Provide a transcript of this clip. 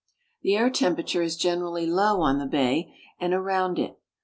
The air temperature is generally low on the bay and around it.